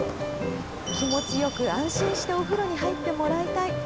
気持ちよく、安心してお風呂に入ってもらいたい。